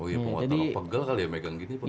oh iya penguatan lo pegel kali ya megang gini pegel